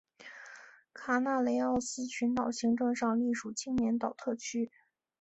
卡纳雷奥斯群岛行政上隶属青年岛特区。